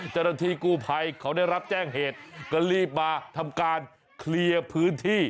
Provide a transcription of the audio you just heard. เจ้าหน้าที่กู้ภัยเขาได้รับแจ้งเหตุก็รีบมาทำการเคลียร์พื้นที่